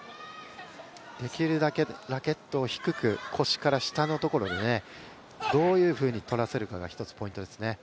できるだけラケットを低く腰から下のところでどういうふうに取らせるかが１つポイントですね。